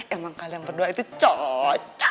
emang kalian berdua itu cocok